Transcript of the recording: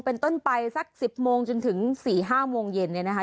เป็นต้นไปสัก๑๐โมงจนถึง๔๕โมงเย็นเนี่ยนะคะ